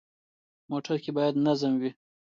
موټر کې باید نظم وي.